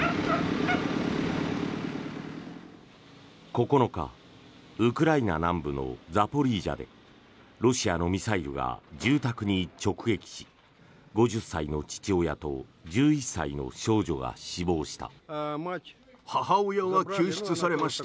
９日、ウクライナ南部のザポリージャでロシアのミサイルが住宅に直撃し５０歳の父親と１１歳の少女が死亡した。